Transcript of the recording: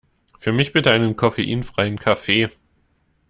Für mich bitte einen koffeinfreien Kaffee!